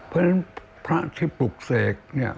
เพราะฉะนั้นพระที่ปลุกเสกเนี่ย